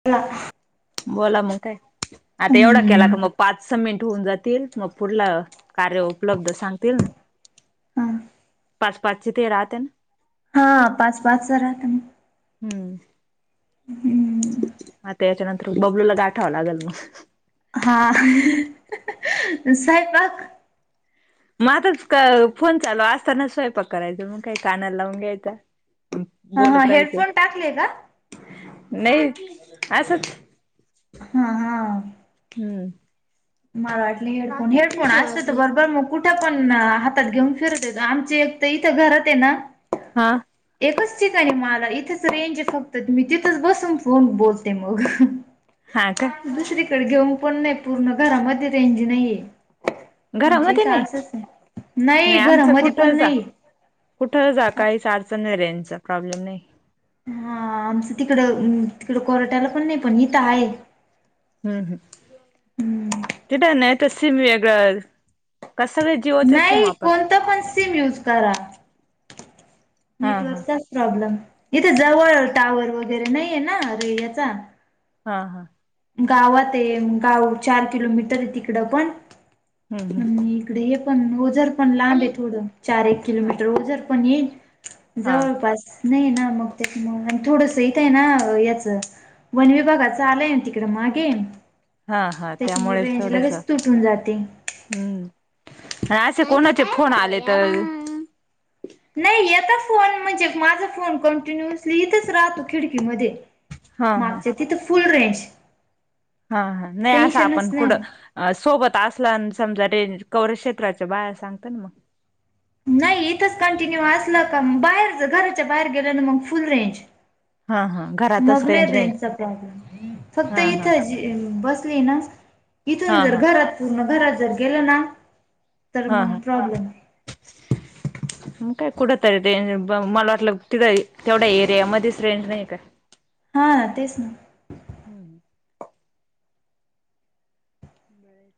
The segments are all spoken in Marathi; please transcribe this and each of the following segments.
[inaudible] बोला मग काय? आता एवढा केला का मग पाच स मिनट होऊन जातील. मग पुढला कार्य उपलब्ध सांगतील. पाच पाच ते राहात ना. हा पाच पाच च राहत. हम्म. हम्म. त्याच्यानंतर बबलूला गाठावं लागेल मग. हा मग स्वैपाक. म आताच फोन चालू असताना स्वयंपाक करायच मग काही कानाला लावून घ्यायचा. हा हा बोलत राहायचं, हेडफोन टाकले का नाही असंच. हम हा. हम्म. मला वाटले हेडफोन काकी हेडफोन किती असत तर वाजले बरोबर मग. कुठं पण हातात घेऊन फिरत पाच य आमची एक तर इथं घरात आहे ना. हा. एकच ठिकाणी मला इथेच रेंज फक्त मी तिथंच बसून फोन बोलते मग. हा का दुसरीकडे घेऊन पण नाही पूर्ण घरामध्ये रेंजी नाही. आमची घरामध्ये इथं नाही असचं ये, नाही आमचं घरामध्ये कुठं पण जा नाही. कुठं जा काही आडचण नाही रेजच प्रॉब्लेम नाही. हा आमचं तिकडं -तिकडं कोरटाला पण नाही पण इथं आहे. हम्म- हम्, हम्म तिथं नाही त सीम वेगळं का सगळेच जियो चे सीम नाही वापरतात? कोणतं पण सिम यूज करा, हा हा नेटवर्कचा च प्रॉब्लेम इथे जवळ टॉवर वगैरे नाहीये ना अरे याचा हा- हा. गावात ये, गाव चार किलोमीटर ये तिकडं पण हम्म- हम्. आणि इकडे हे पण ओझर पण लांब ये थोडं चार एक हा किलोमीटर ओझर पण येईल. हा जवळपास नाही ना मग त्याच्यामुळं मग थोडस इथं य ना याचं वन विभागाचं आलंय ना ति तिकडं मागे हा हा त्याच्यामुळं त्यामुळेच रेंज थोडस लगेच तुटून जाती. हम्म, असं कोणाचे फोन आले तर नाही येता फोन म्हणजे माझा फोन कंटिन्युअसली इथेच राहतो खिडकीमध्ये. हा हा मागच्या तिथं फुल रेंज. हा- हा, नाही असं आपण टेन्शनच कुडं नाही. अ सोबत असला आणि समजा रेंज कौरेज क्षेत्राच्या बाहेर सांगत ना मग नाही इथंच कंटिन्यू असलं तर म जर का बाहेरच घराच्या बाहेर गेलं ना मग फुल रेंज हा- हा, घर मग नाही रेंज चा प्रॉब्लेम फक्त हा हा इथं चे. बसली ना इथून हा जर हा घरात पूर्ण घरात जर गेलं ना तर मग प्रॉब्लेम [inaudible] म काय कुडं तरी रेंज मला वाटलं तिथं तेवढ्या एरिया मध्येच रेंज नाही काय? हा तेच ना. हम्म,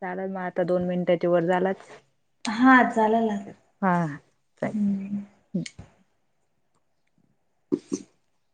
चालंल म आता दोन मिनिटाच्या वर झालंत. हा चालंल ना हा, चालेल [inaudible]